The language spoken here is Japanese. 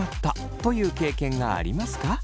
という経験がありますか？